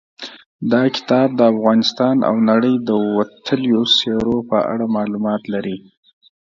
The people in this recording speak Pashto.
دا کتاب د افغانستان او نړۍ د وتلیو څېرو په اړه معلومات لري.